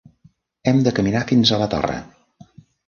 Hem de caminar fins a la torre.